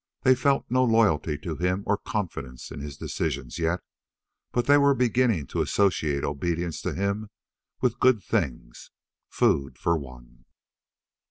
They felt no loyalty to him or confidence in his decisions yet, but they were beginning to associate obedience to him with good things. Food, for one.